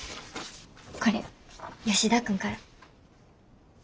これ吉田君から。